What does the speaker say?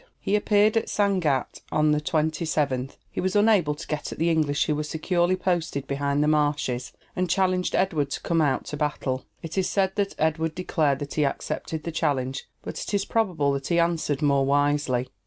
He appeared at Sangatte on the 27th. He was unable to get at the English who were securely posted behind the marshes, and challenged Edward to come out to battle. It is said that Edward declared that he accepted the challenge; but it is probable that he answered more wisely.